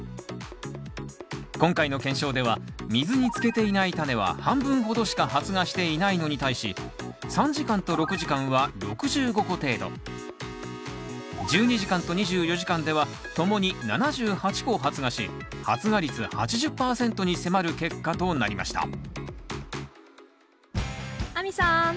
今回の検証では水につけていないタネは半分ほどしか発芽していないのに対し３時間と６時間は６５個程度１２時間と２４時間ではともに７８個発芽し発芽率８０％に迫る結果となりました亜美さん